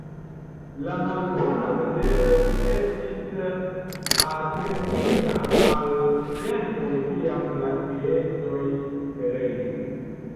La malbona vetero estis atribuata al tempoj kiam la geedzoj kverelis.